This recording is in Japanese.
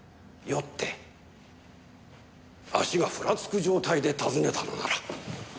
酔って足がふらつく状態で訪ねたのなら。